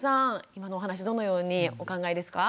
今のお話どのようにお考えですか？